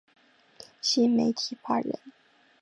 新媒体法人